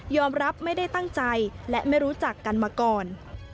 รับไม่ได้ตั้งใจและไม่รู้จักกันมาก่อน